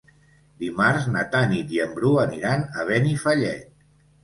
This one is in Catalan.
Dimarts na Tanit i en Bru aniran a Benifallet.